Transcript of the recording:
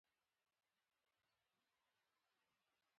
برتانويان د جګړې ګټونکي ښکارېدل.